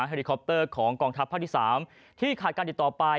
เลคอปเตอร์ของกองทัพภาคที่๓ที่ขาดการติดต่อไป